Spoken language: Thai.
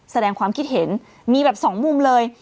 แสดงความคิดเห็นมีแบบสองมุมเลย